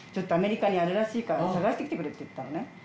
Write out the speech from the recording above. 「アメリカにあるらしいから探してきてくれ」って言ったのね。